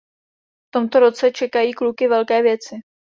V tomto roce čekají kluky velké věci.